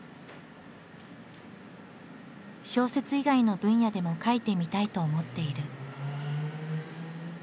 小説以外の分野でも書いてみたいと思っている。